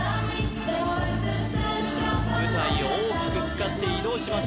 舞台を大きく使って移動します